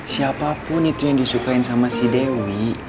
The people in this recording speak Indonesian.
siapapun itu yang disukain sama si dewi